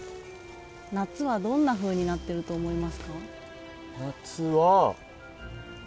夏はどんなふうになってると思いますか？